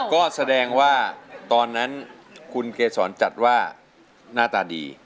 ก็แสดงว่าตอนนั้นคุณเกษรจัดว่าหน้าตาดี